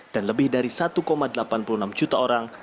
dan lebih dari satu delapan puluh enam juta orang